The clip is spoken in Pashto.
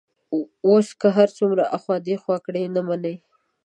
اوس که هر څومره ایخوا دیخوا کړي، نه مني.